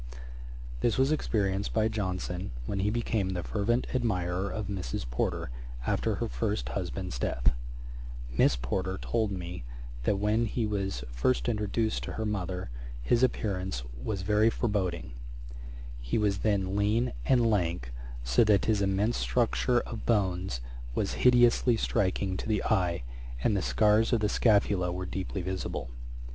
This was experienced by Johnson, when he became the fervent admirer of Mrs. Porter, after her first husband's death. Miss Porter told me, that when he was first introduced to her mother, his appearance was very forbidding: he was then lean and lank, so that his immense structure of bones was hideously striking to the eye, and the scars of the scrophula were deeply visible.